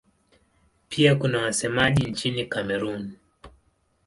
Pia kuna wasemaji nchini Kamerun.